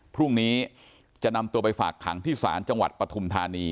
พรุ่งนี้จะนำตัวไปฝากขังที่ศาลจังหวัดปฐุมธานี